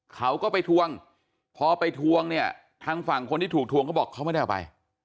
เขาก็ไปทวงพอไปทวงเนี่ยทางฝั่งคนที่ถูกทวงเขาบอกเขาไม่ได้เอาไป